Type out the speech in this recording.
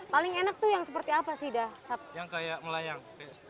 paling enak tuh yang seperti apa sih dah yang kayak melayang